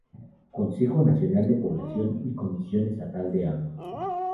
Consejo Nacional de Población y Comisión estatal del Agua.